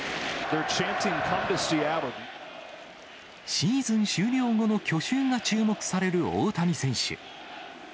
シーズン終了後の去就が注目される大谷選手。